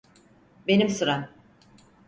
Benim sıram.